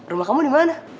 rumah kamu dimana